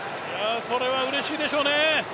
それはうれしいでしょうね。